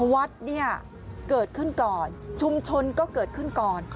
วัดเนี่ยเกิดขึ้นก่อนชุมชนก็เกิดขึ้นก่อน